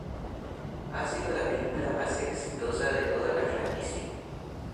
Ha sido la película más exitosa de toda la franquicia.